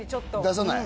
出さない？